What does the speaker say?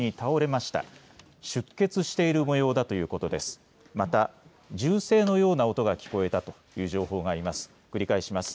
また銃声のような音が聞こえたという情報があります。